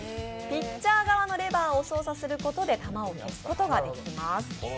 ピッチャー側のレバーを操作することで球を操作できます。